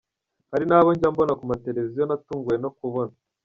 Hari n’abo njya mbona ku mateleviziyo natunguwe no kubona.